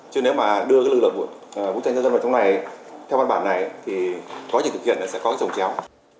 chứ nếu mà đưa lực lượng vũ trang cho dân vào trong này theo văn bản này thì có thể thực hiện là sẽ có trồng trèo